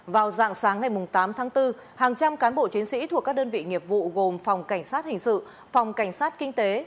vào dạng sáng ngày tám tháng bốn hàng trăm cán bộ chiến sĩ thuộc các đơn vị nghiệp vụ gồm phòng cảnh sát hình sự phòng cảnh sát kinh tế